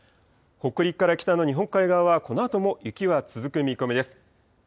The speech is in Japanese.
北陸から北の日本海側はこのあとも雪は続く見込みです。